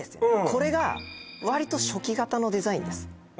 これがわりと初期型のデザインです